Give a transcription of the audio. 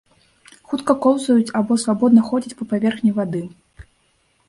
Хутка коўзаюць або свабодна ходзяць па паверхні вады.